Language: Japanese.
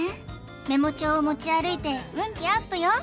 メモ帳を持ち歩いて運気アップよ！